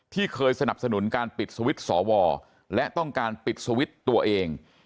ที่เคยสนับสนุนการปิดสวิตช์สวและต้องการปิดสวิตช์ตัวเอง